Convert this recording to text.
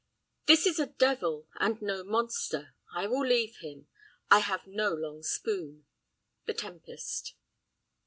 This is a devil, and no monster: I will leave him; I have no long spoon. The Tempest.